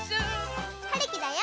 はるきだよ。